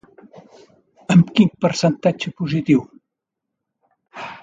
Amb quin percentatge positiu?